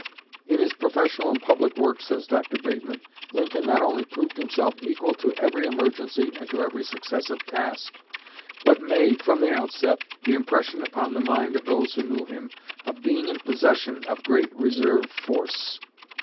In his professional and public work, says Dr. Bateman, Lincoln not only proved himself equal to every emergency and to every successive task, but made, from the outset, the impression upon the mind of those who knew him of being in possession of great reserve force.